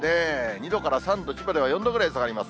２度から３度、千葉では４度ぐらい下がります。